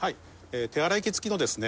手洗い器付きのですね